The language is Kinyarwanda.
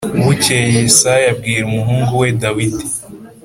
Bukeye Yesayi abwira umuhungu we Dawidi